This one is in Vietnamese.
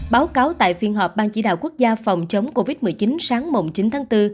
báo cáo tại phiên họp ban chỉ đạo quốc gia phòng chống covid một mươi chín sáng mùng chín tháng bốn